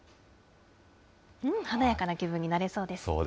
華やかな気分になれそうです。